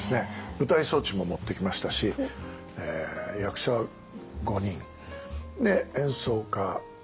舞台装置も持ってきましたし役者５人演奏家が１０人かな？